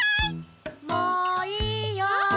・もういいよ。